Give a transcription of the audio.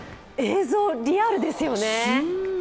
映像、リアルですよね。